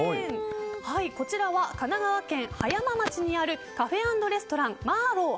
こちらは神奈川県葉山町にあるカフェ＆レストランマーロウ